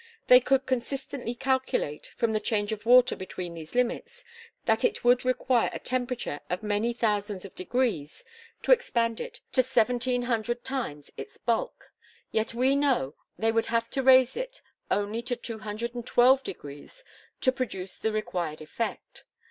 They could consistently calculate, from the change of water between these limits, that it would require a temperature of many thousands of degrees to expand it to seventeen hundred times its bulk. Yet we know they would have to raise it only to two hundred and twelve degrees to produce the required effect.